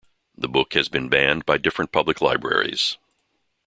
The book has been banned by different public libraries.